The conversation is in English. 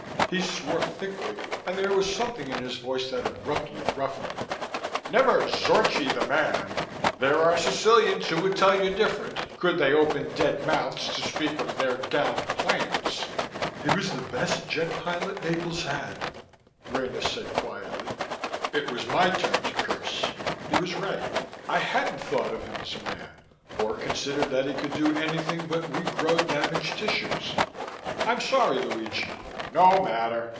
He swore thickly, and there was something in his voice that abruptly roughened it. "Never Zorchi the man! There are Sicilians who would tell you different, could they open dead mouths to speak of their downed planes!" "He was the best jet pilot Naples had," Rena said quietly. It was my turn to curse. He was right; I hadn't thought of him as a man, or considered that he could do anything but regrow damaged tissues. "I'm sorry, Luigi!" "No matter."